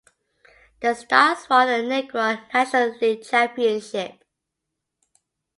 The Stars won the Negro National League championship.